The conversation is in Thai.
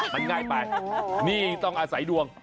มันง่ายไปนี่ต้องอาศัยดวง